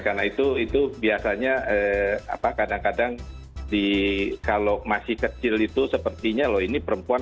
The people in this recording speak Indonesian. karena itu biasanya kadang kadang kalau masih kecil itu sepertinya loh ini perempuan